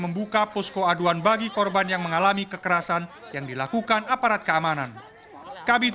membuka posko aduan bagi korban yang mengalami kekerasan yang dilakukan aparat keamanan kabit